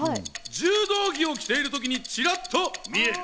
柔道着を着ているときにチラッと見える。